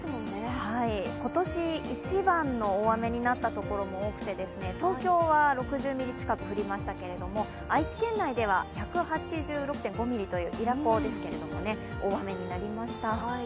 今年１番の大雨になったところも多くて、東京は６０ミリ近く降りましたけれども、愛知県内では１８６．５ミリ、伊良湖、大雨になりました。